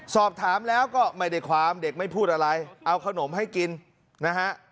สอบถามแล้วก็ไม่ได้ความเด็กไม่พูดอะไรเอาขนมให้กินนะฮะ